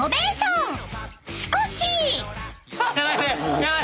［しかし］